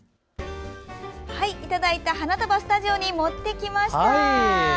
いただいた花束スタジオに持ってきました。